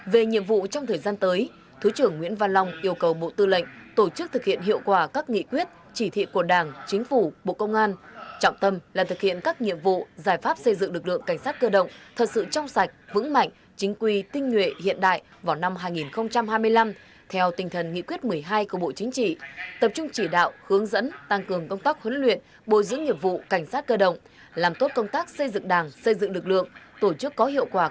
về nhiệm vụ trong thời gian tới thứ trưởng nguyễn văn long yêu cầu bộ tư lệnh tổ chức thực hiện hiệu quả các nghị quyết chỉ thị của đảng chính phủ bộ công an trọng tâm là thực hiện các nhiệm vụ giải pháp xây dựng lực lượng cảnh sát cơ động thật sự trong sạch vững mạnh chính quy tinh nguyện hiện đại vào năm hai nghìn hai mươi năm theo tinh thần nghị quyết một mươi hai của bộ chính trị tập trung chỉ đạo hướng dẫn tăng cường công tác huấn luyện bồi giữ nhiệm vụ cảnh sát cơ động làm tốt công tác xây dựng đảng xây dựng lực lượng tổ ch